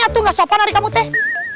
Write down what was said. tuh gak sopan hari kamu teh